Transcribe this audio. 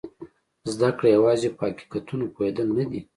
زده کړه یوازې په حقیقتونو پوهېدل نه دي.